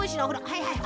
はいはい。